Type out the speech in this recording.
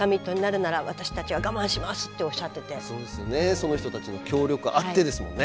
その人たちの協力あってですもんね。